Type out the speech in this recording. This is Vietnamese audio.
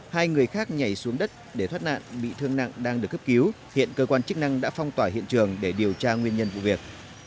hai người khác nhảy xuống đất để thoát nạn bị thương nặng đang được cấp cứu hiện cơ quan chức năng đã phong tỏa hiện trường để điều tra nguyên nhân vụ việc